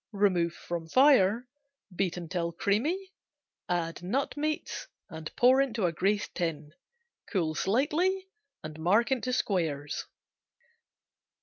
Remove from fire, beat until creamy, add nut meats and pour into greased tin. Cool slightly, mark into squares.